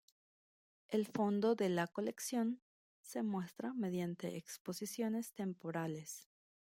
El fondo de la colección se muestra mediante exposiciones temporales.